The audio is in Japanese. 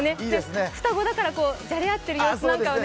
双子だからじゃれ合っている様子なんかをね。